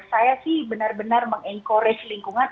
saya sih benar benar meng encourage lingkungan